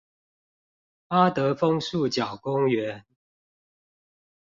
八德楓樹腳公園